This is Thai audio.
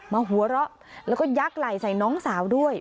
หัวเราะแล้วก็ยักษ์ไหล่ใส่น้องสาวด้วย